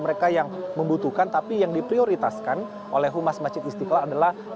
mereka yang membutuhkan tapi yang diprioritaskan oleh humas masjid istiqlal adalah